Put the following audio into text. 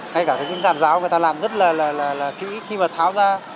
ngay cả những giàn giáo người ta làm rất là kỹ khi mà tháo ra